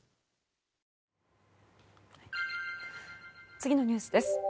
次のニュースです。